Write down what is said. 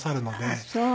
ああそう。